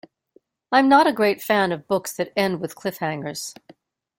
I'm not a great fan of books that end with cliff-hangers.